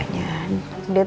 maksudnya dia sama lagi siapa